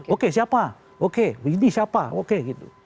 oke siapa oke ini siapa oke gitu